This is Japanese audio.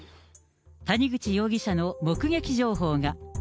谷口容疑者の目撃情報が。